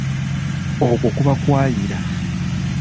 Okwo kuba kwayira.